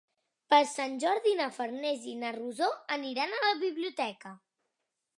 Per Sant Jordi na Farners i na Rosó aniran a la biblioteca.